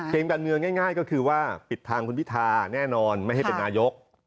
เกมการเมืองง่ายก็คือว่าปิดทางคุณพิธาแน่นอนไม่ให้เป็นนายก